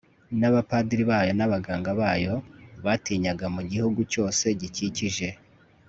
n'abapadiri bayo n'abaganga bayo batinyaga mugihugu cyose gikikije